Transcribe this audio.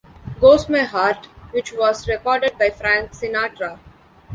Goes My Heart, which was recorded by Frank Sinatra.